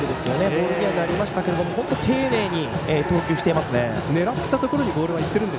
ボールにはなりましたが丁寧に投球していますね。